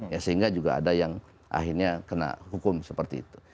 ya sehingga juga ada yang akhirnya kena hukum seperti itu